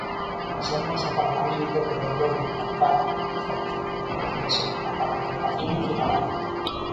Somos o Parlamento que logrou implantar –e fomos pioneiros niso– a participación cidadá.